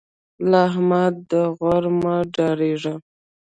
له احمد د غور مه ډارېږه.